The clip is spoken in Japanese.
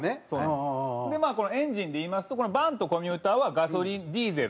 でこのエンジンでいいますとバンとコミューターはガソリンディーゼル